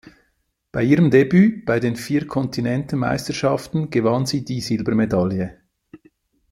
Bei ihrem Debüt bei den Vier-Kontinente-Meisterschaften gewannen sie die Silbermedaille.